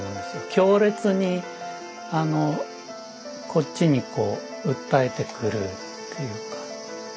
強烈にこっちに訴えてくるっていうか。